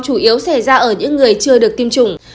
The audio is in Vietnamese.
chủ yếu xảy ra ở những người chưa được tiêm chủng